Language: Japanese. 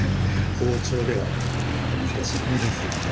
包丁ではなかなか難しいそうですよね